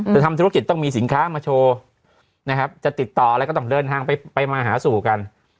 ทำธุรกิจต้องมีสินค้ามาโชว์นะครับจะติดต่ออะไรก็ต้องเดินทางไปมาหาสู่กัน